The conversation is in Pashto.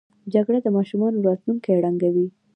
جګړه د ماشومانو راتلونکی ړنګوي